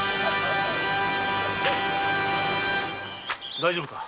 大丈夫か？